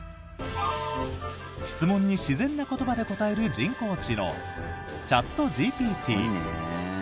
質問に自然な言葉で答える人工知能、チャットＧＰＴ。